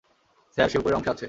Sir, সে উপরের অংশে আছে।